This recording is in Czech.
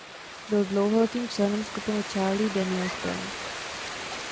Byl dlouholetým členem skupiny Charlie Daniels Band.